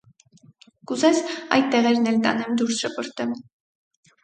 Կուզես, այս դեղերն էլ տանեմ դուրս շպրտեմ: